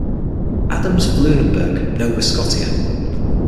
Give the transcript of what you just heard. Adams of Lunenburg, Nova Scotia.